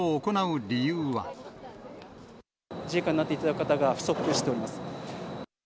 自衛官になっていただく方が不足しております。